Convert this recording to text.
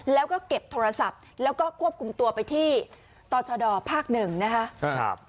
แล้วก็เก็บโทรศัพท์แล้วก็ควบกุมตัวไปที่ตชดภาค๑นะครับ